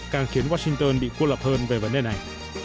càng khiến washington bị cô lập hơn về vấn đề này